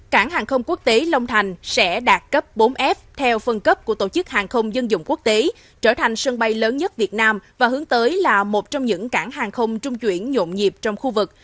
cảng hàng không quốc tế long thành sẽ đạt cấp bốn f theo phân cấp của tổ chức hàng không dân dụng quốc tế trở thành sân bay lớn nhất việt nam và hướng tới là một trong những cảng hàng không trung chuyển nhộn nhịp trong khu vực